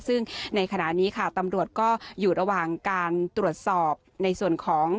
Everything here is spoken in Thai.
ซึ่งในขณะนี้ค่ะตำรวจก็อยู่ระหว่างการตรวจสอบในส่วนของ